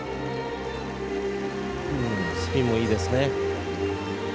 うんスピンもいいですね。